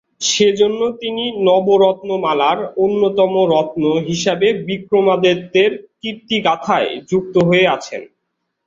সেজন্য তিনি ‘নবরত্নমালা’র অন্যতম রত্ন হিসেবে বিক্রমাদিত্যের ‘কীর্তিগাথা’য় যুক্ত হয়ে আছেন।